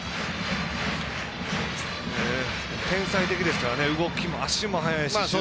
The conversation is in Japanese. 天才的ですからね足も速いですし。